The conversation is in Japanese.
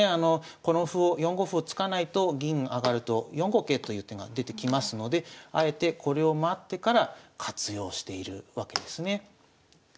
この歩を４五歩を突かないと銀上がると４五桂という手が出てきますのであえてこれを待ってから活用しているわけですね。